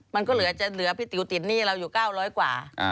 มันก็เหลือจะเหลือพี่ติ๋วติดหนี้เราอยู่๙๐๐กว่า